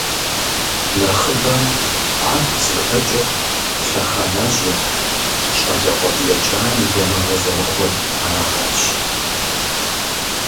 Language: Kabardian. Нэхъыбэм ар къызыхэкӀыр лъэхъэнэжьыр щӀалэгъуэ блэкӀам и дамыгъэ зэрыхъур арагъэнщ.